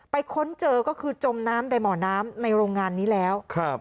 ค้นเจอก็คือจมน้ำในบ่อน้ำในโรงงานนี้แล้ว